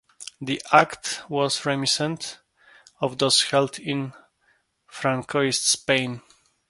The act was reminiscent of those held in Francoist Spain.